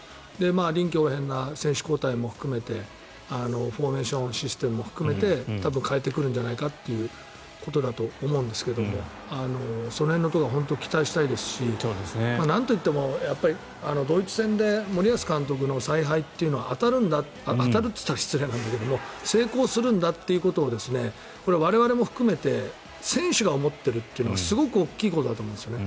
臨機応変な選手交代も含めてフォーメーションシステムを含めて多分代えてくるんじゃないかということだと思うんですけどもその辺は期待したいですしなんと言ってもドイツ戦で森保監督の采配というのは当たるんだ当たると言ったら失礼だけど成功するんだということを我々も含めて選手が思っているというのがすごく大きいことだと思うんですね。